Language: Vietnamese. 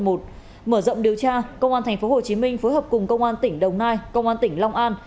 mở rộng điều tra công an tp hcm phối hợp cùng công an tỉnh đồng nai công an tỉnh long an